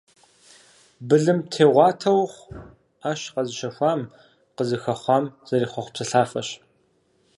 Былымтегъуатэ ухъу - Ӏэщ къэзыщэхуам, къызыхэхъуам зэрехъуэхъу псэлъафэщ.